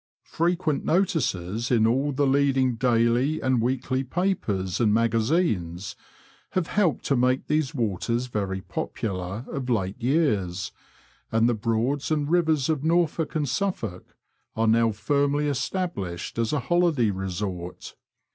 Frequent notices in all the leading daily and weekly papers and magazines have helped to make these waters very popular of late years, and the Broads and Eivers of Norfolk and Suffolk are now firmly established as a holiday resort.